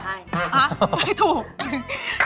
อ้าไม่ถูก